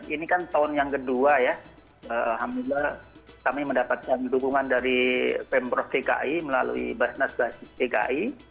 ini kan tahun yang kedua ya alhamdulillah kami mendapatkan dukungan dari pemprov dki melalui basnas basis dki